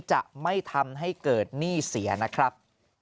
จะไม่ทำให้เกิดหนี้เสียนะครับ